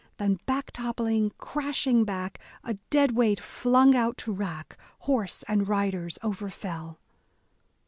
Then back toppling, crashing back — a dead weight flung out to wrack, Horse and riders overfell.